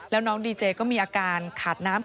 แล้วน้องดีเจก็มีอาการขาดน้ำ